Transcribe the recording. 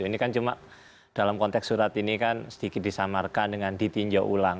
ini kan cuma dalam konteks surat ini kan sedikit disamarkan dengan ditinjau ulang